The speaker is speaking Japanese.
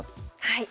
はい。